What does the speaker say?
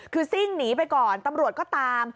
คือซิ่งหนีไปก่อนตำรวจก็ตาม